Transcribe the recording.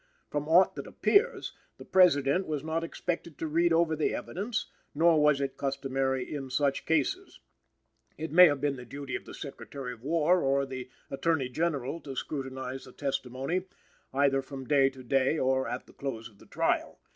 From aught that appears, the President was not expected to read over the evidence, nor was it customary in such cases. It may have been the duty of the Secretary of War or the Attorney General to scrutinize the testimony, either from day to day or at the close of the trial.